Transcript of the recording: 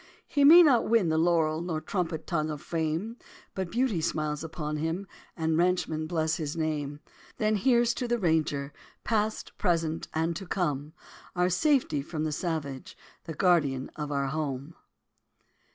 He may not win the laurel Nor trumpet tongue of fame; But beauty smiles upon him, And ranchmen bless his name. Then here's to the Texas Ranger, Past, present and to come! Our safety from the savage, The guardian of our home.